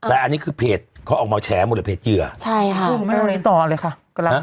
อันนี้คือเพจเขาออกมาแชมะทีเหือใช่ค่ะต่อเลยค่ะ